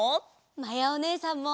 まやおねえさんも！